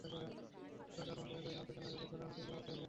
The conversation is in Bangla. তবে তার মধ্যে একই নাম-ঠিকানার রসিদ ঝোলানো তিনটি মোটরসাইকেল দেখা গেছে।